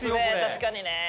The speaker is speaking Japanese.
確かにね。